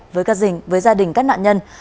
với gia đình các nạn nhân